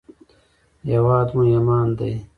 هېواد مو ایمان دی